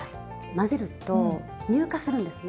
混ぜると乳化するんですね。